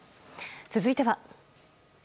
続いては。